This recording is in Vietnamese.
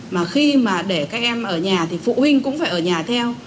mà khi mà để các em ở nhà thì phụ huynh cũng phải ở nhà theo